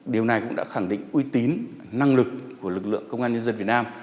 điều này cũng đã khẳng định uy tín năng lực của lực lượng công an nhân dân việt nam